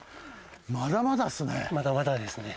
まだまだですね。